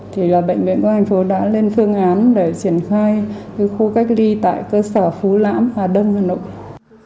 thì là bệnh viện công an thành phố đã lên phương án để triển khai khu cách ly tại cơ sở phú lãm hòa đông hà nội